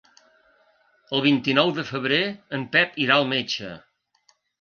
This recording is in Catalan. El vint-i-nou de febrer en Pep irà al metge.